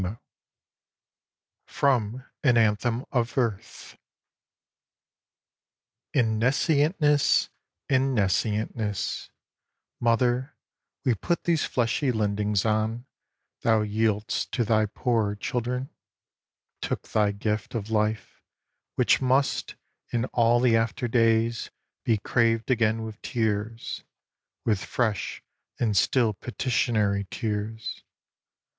_" From "AN ANTHEM OF EARTH" In nescientness, in nescientness, Mother, we put these fleshly lendings on Thou yield'st to thy poor children; took thy gift Of life, which must, in all the after days Be craved again with tears, With fresh and still petitionary tears.